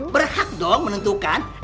berhak dong menentukan